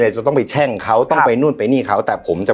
จะต้องไปแช่งเขาต้องไปนู่นไปนี่เขาแต่ผมจะ